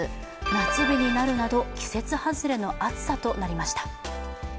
夏日になるなど、季節外れの暑さとなりました。